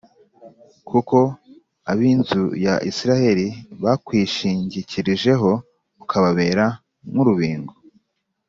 Kuko ab inzu ya isirayeli bakwishingikirijeho ukababera nk urubingo